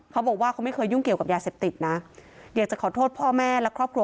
เขาบอกว่าเขาไม่เคยยุ่งเกี่ยวกับยาเสพติดนะอยากจะขอโทษพ่อแม่และครอบครัว